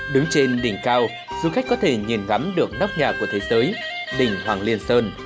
đứng trên đỉnh cao du khách có thể nhìn ngắm được nóc nhà của thế giới đỉnh hoàng liên sơn